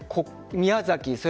宮崎